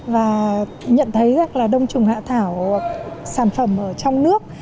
và nhận thấy rằng là đông trùng hạ thảo sản phẩm ở trong nước